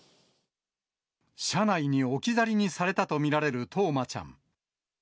車内に置き去りにされたと見られる冬生ちゃん。